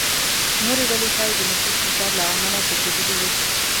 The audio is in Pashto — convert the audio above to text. نورې ډلې ښايي د نفوس فشار له امله کوچېدلې وي.